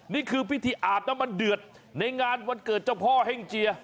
นี่คือพิธีอาบน้ำมันเดือดในงานวันเกิดเจ้าพ่อเฮ่งเจีย